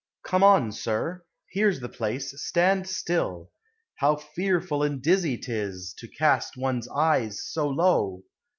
Come on, sir; here 's the place : stand still ! How fearful And dizzy 't is, to cast one's eyes so low